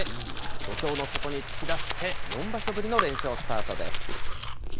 土俵の外に突き出して、４場所ぶりの連勝スタートです。